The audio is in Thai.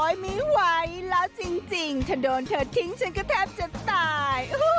ไม่ไหวแล้วจริงถ้าโดนเธอทิ้งฉันก็แทบจะตาย